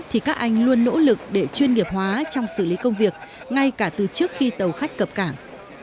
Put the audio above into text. thì các anh luôn nỗ lực để chuyên nghiệp hóa trong xử lý công việc ngay cả từ trước khi tàu khách cập cảng